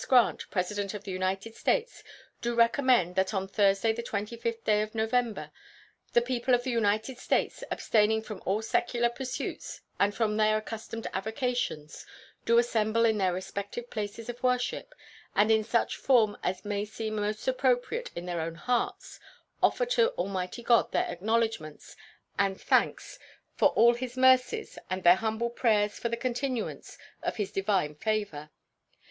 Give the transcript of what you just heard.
Grant, President of the United States, do recommend that on Thursday, the 25th day of November, the people of the United States, abstaining from all secular pursuits and from their accustomed avocations, do assemble in their respective places of worship, and, in such form as may seem most appropriate in their own hearts, offer to Almighty God their acknowledgments and thanks for all His mercies and their humble prayers for a continuance of His divine favor.